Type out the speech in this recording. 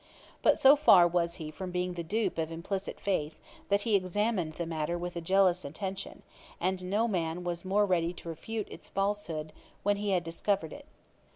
But so far was he from being the dupe of implicit faith, that he examined the matter with a jealous attention, and no man was more ready to refute its falsehood when he had discovered it.